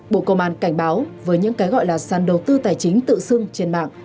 bộ công an cảnh báo với những cái gọi là sàn đầu tư tài chính tự xưng trên mạng